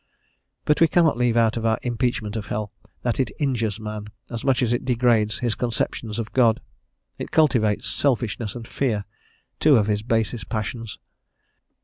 But we cannot leave out of our impeachment of hell that it injures man, as much as it degrades his conceptions of God. It cultivates selfishness and fear, two of his basest passions.